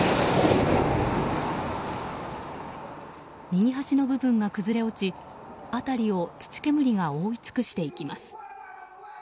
右端の部分が崩れ落ち、辺りを土煙が覆い尽くしていきます。